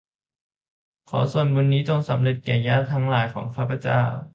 ขอส่วนบุญนี้จงสำเร็จแก่ญาติทั้งหลายของข้าพเจ้า